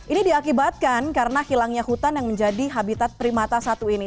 ini diakibatkan karena hilangnya hutan yang menjadi habitat primata satu ini